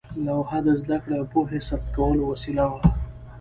لوحه د زده کړې او پوهې ثبت کولو وسیله وه.